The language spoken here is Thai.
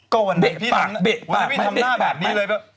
ก็วันเด็กพี่ทำหน้าแบบนี้เลย